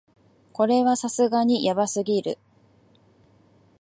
これはさすがにヤバすぎる